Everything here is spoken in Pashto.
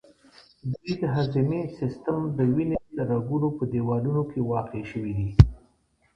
دوی د هضمي سیستم، د وینې د رګونو په دیوالونو کې واقع شوي دي.